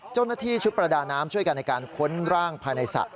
เจ้าหน้าที่ชุดประดาน้ำช่วยกันในการค้นร่างภายในสระ